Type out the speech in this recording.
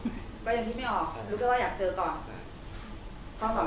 เรื่องที่ไม่ออกรู้แค่ว่าอยากเจอก่อน